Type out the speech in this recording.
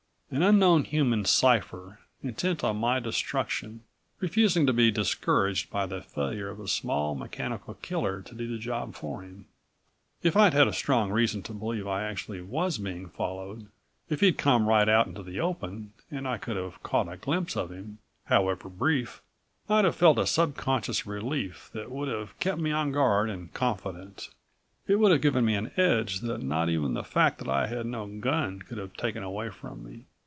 An unknown human cipher intent on my destruction, refusing to be discouraged by the failure of a small mechanical killer to do the job for him. If I'd had a strong reason to believe I actually was being followed, if he'd come right out into the open and I could have caught a glimpse of him, however brief, I'd have felt a subconscious relief that would have kept me on guard and confident. It would have given me an edge that not even the fact that I had no gun could have taken away from me.